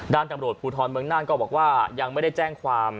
ด้านตำรวจภูทรเมืองน่านก็บอกว่ายังไม่ได้แจ้งความ